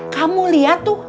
kamu liat tuh